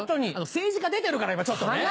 政治家出てるから今ちょっとね。